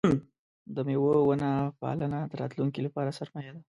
د مېوو ونه پالنه د راتلونکي لپاره سرمایه ده.